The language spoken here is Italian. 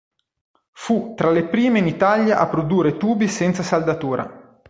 Fu tra le prime in Italia a produrre tubi senza saldatura.